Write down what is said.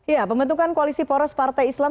ya pembentukan koalisi poros partai islam